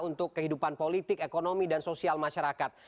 untuk kehidupan politik ekonomi dan sosial masyarakat